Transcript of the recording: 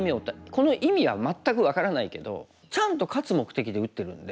この意味は全く分からないけどちゃんと勝つ目的で打ってるんで。